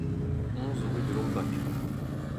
onze rue de l'Ohmbach